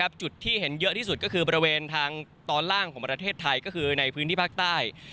จุดที่เห็นเยอะที่สุดก็คือบริเวณทางตอนล่างของประเทศไทยก็คือในพื้นที่ภาคใต้